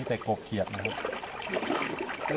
โดยเป็นไง